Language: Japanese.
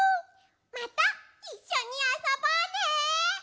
またいっしょにあそぼうね！